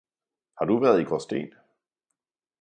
Har du været i Gråsten